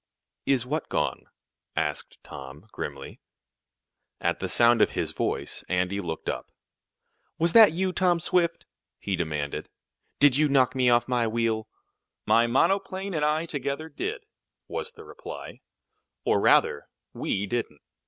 "Is what gone?" asked Tom, grimly. At the sound of his voice, Andy looked up. "Was that you, Tom Swift?" he demanded. "Did you knock me off my wheel?" "My monoplane and I together did," was the reply; "or, rather, we didn't.